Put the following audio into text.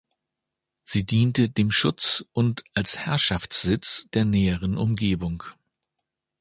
Sie diente dem Schutz und als Herrschaftssitz der näheren Umgebung.